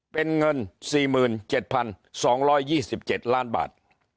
เป็นเงิน๔๗๒๒๗ล้านบาท